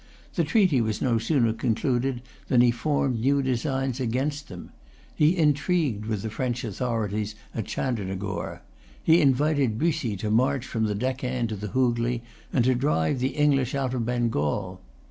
The treaty was no sooner concluded than he formed new designs against them. He intrigued with the French authorities at Chandernagore. He invited Bussy to march from the Deccan to the Hoogley, and to drive the English out of Bengal.